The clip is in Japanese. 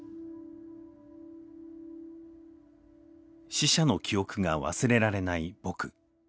死者の記憶が忘れられない僕。